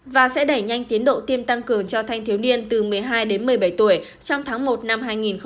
và sẽ đẩy nhanh tiến độ tiêm tăng cường cho thanh thiếu niên từ một mươi hai đến một mươi bảy tuổi trong tháng một năm hai nghìn hai mươi